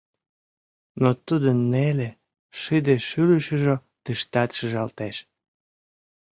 Но тудын неле, шыде шӱлышыжӧ тыштат шижалтеш.